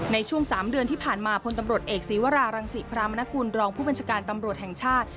ในช่วง๓เดือนที่ผ่านมาพลตำรวจเอกศีวรารังศิพรามนกุลรองผู้บัญชาการตำรวจแห่งชาติ